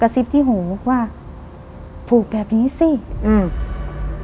ซิบที่หูว่าผูกแบบนี้สิอืม